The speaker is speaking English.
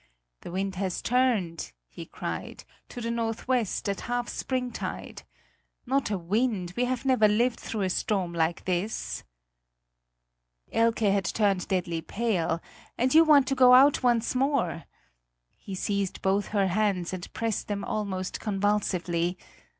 "The wind has turned!" he cried, "to the northwest; at half spring tide! Not a wind we have never lived through a storm like this!" Elke had turned deadly pale. "And you want to go out once more?" He seized both her hands and pressed them almost convulsively.